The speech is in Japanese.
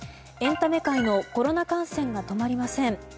エンタメ界のコロナ感染が止まりません。